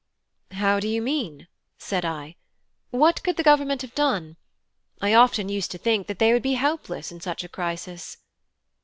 "How do you mean?" said I. "What could the Government have done? I often used to think that they would be helpless in such a crisis."